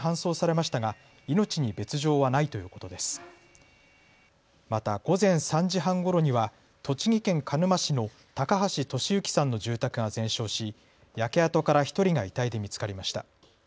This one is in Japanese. また午前３時半ごろには栃木県鹿沼市の高橋利行さんの住宅が全焼し焼け跡から１人が遺体で見つかりました。